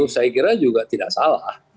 saya kira juga tidak salah